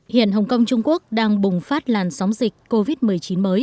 hiện hồng kông trung quốc đang bùng phát làn sóng dịch covid một mươi chín mới